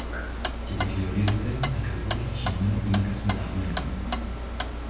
και προσδιορίζεται ακριβώς στο συνημμένο πίνακα συντεταγμένων